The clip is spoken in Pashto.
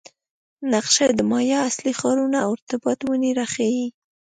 نقشه د مایا اصلي ښارونه او ارتباط ونې راښيي